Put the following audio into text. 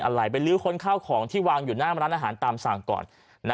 อะไรไปลื้อค้นข้าวของที่วางอยู่หน้าร้านอาหารตามสั่งก่อน